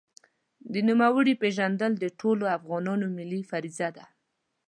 د نوموړي پېژندل د ټولو افغانانو ملي فریضه ده.